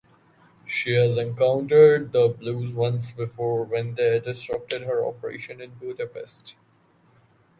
She has encountered the Blues once before when they disrupted her operation in Budapest.